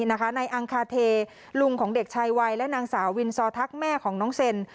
นายอังคาเทลุงของเด็กชายวัยและนางสาววินซอทักแม่ของน้องเซน